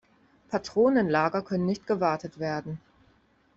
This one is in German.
Patronenlager können nicht gewartet werden.